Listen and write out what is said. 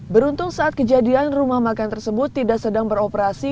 beruntung saat kejadian rumah makan tersebut tidak sedang beroperasi